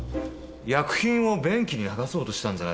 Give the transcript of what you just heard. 薬品を便器に流そうとしたんじゃないですか。